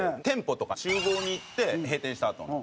店舗とか厨房に行って閉店したあと。